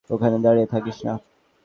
ওখানে দাঁড়িয়ে থাকিস না।